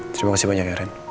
terima kasih banyak ya ren